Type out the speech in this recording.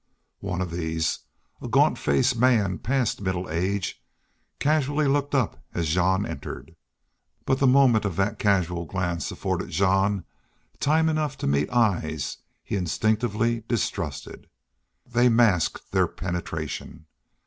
One of these, a gaunt faced man past middle age, casually looked up as Jean entered. But the moment of that casual glance afforded Jean time enough to meet eyes he instinctively distrusted. They masked their penetration.